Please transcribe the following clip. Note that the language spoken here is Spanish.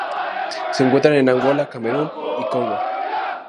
Se encuentra en Angola, Camerún y Congo.